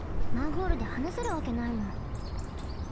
マンホールではなせるわけないもん。